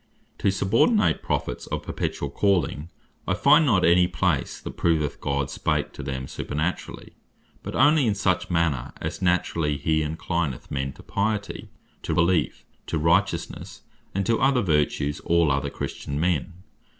To subordinate Prophets of perpetuall Calling, I find not any place that proveth God spake to them supernaturally; but onely in such manner, as naturally he inclineth men to Piety, to Beleef, to Righteousnesse, and to other vertues all other Christian Men.